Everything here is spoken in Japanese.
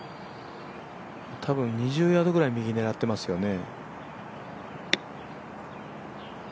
多分２０ヤードぐらい右狙っていますよね。